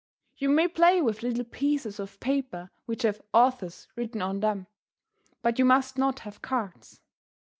You may play with little pieces of paper which have 'authors' written on them, but you must not have 'cards.'"